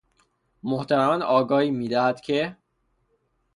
محترماً آگاهی میدهد که...